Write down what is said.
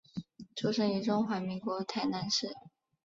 出生于中华民国台南市。